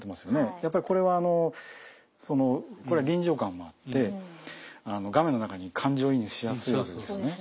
やっぱりこれはあのこれは臨場感もあって画面の中に感情移入しやすいわけですよね。